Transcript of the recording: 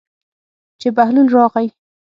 چې بهلول راغی.